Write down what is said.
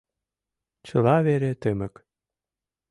Чыла вере тымык.